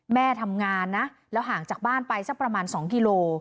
แม่ทำงานนะแล้วห่างจากบ้านไปสักประมาณ๒กิโล